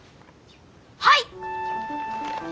はい！